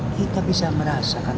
kita bisa merasakan